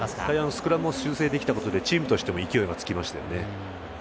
スクラムを修正できたことでチームとしても勢いがつきましたね。